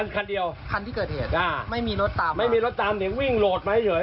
คันเดียวคันที่เกิดเหตุอ่ะไม่มีรถตามไม่มีรถตามเดี๋ยววิ่งโหลดมาเฉย